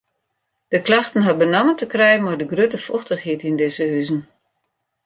De klachten ha benammen te krijen mei de grutte fochtichheid yn dizze huzen.